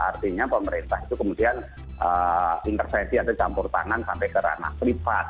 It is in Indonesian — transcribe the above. artinya pemerintah itu kemudian intervensi atau campur tangan sampai ke ranah privat